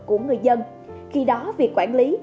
của người dân khi đó việc quản lý